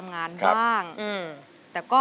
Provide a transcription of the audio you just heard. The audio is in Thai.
เล่นคร้าย